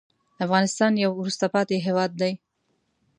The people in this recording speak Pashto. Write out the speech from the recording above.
افغانستان یو وروسته پاتې هېواد دی.